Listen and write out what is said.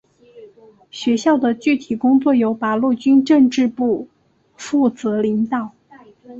学校的具体工作由八路军政治部负责领导。